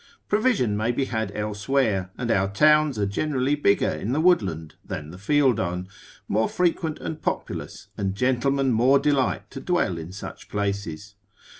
Provision may be had elsewhere, and our towns are generally bigger in the woodland than the fieldone, more frequent and populous, and gentlemen more delight to dwell in such places.